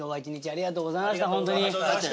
ありがとうございましたほんとに。